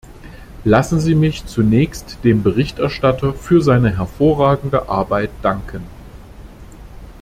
Lassen Sie mich zunächst dem Berichterstatter für seine hervorragende Arbeit danken.